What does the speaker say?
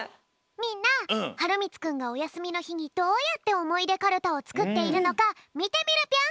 みんなはるみつくんがおやすみのひにどうやっておもいでかるたをつくっているのかみてみるぴょん。